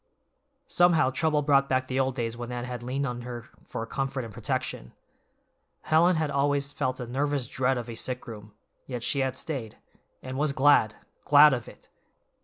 Somehow trouble brought back the old days when Anne had leaned on her for comfort and protection. Helen had always felt a nervous dread of a sick room, yet she had stayed, and was glad—glad of it!